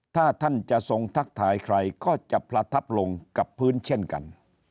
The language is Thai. ถ้าท่านจะทรงทักทายใครก็จะประทับลงกับพื้นเช่นกัน